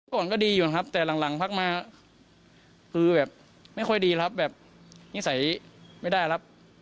ก่อนก็ดีอยู่นะครับแต่หลังพักมาคือแบบไม่ค่อยดีครับแบบนิสัยไม่ได้ครับ